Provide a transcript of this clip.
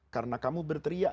karena kamu berteriak